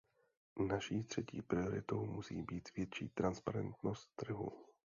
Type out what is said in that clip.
Naší třetí prioritou musí být větší transparentnost trhu.